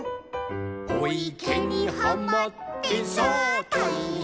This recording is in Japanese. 「おいけにはまってさあたいへん」